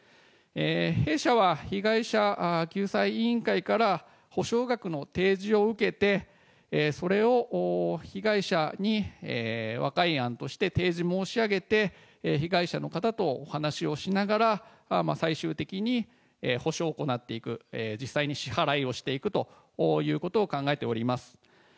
弊社は被害者救済委員会から補償額の提示を受けて、それを被害者に和解案として提示申し上げて、被害者の方とお話しをしながら、最終的に補償を行っていく、実際に支払いをしていくということを考えております。